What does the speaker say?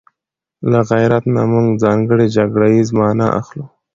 له غيرت نه موږ ځانګړې جګړه ييزه مانا اخلو